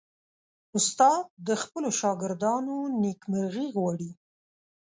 استاد د خپلو شاګردانو نیکمرغي غواړي.